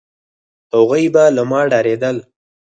هغوی به له ما ډارېدل،